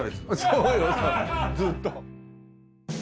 そうよそうずっと。